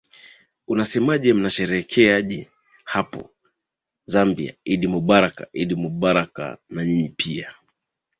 unasemaje mnaisherehekeaje hapo zambia idd mubarak idd mubarak nanyinyi pia